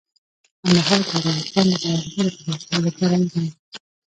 کندهار د افغانستان د دوامداره پرمختګ لپاره اړین دی.